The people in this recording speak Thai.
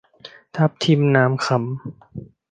ทับทิม นามขำ